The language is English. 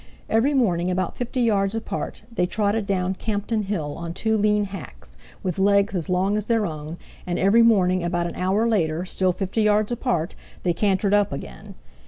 Every morning, about fifty yards apart, they trotted down Campden Hill on two lean hacks, with legs as long as their own, and every morning about an hour later, still fifty yards apart, they cantered up again.